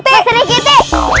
pak sri kiti